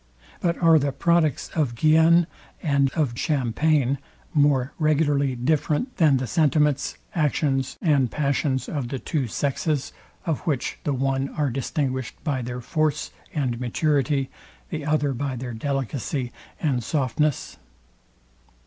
But are the products of Guienne and of Champagne more regularly different than the sentiments, actions, and passions of the two sexes, of which the one are distinguished by their force and maturity, the other by their delicacy and softness?